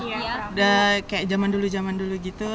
udah kayak zaman dulu zaman dulu gitu